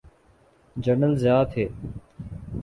General Zia تھے۔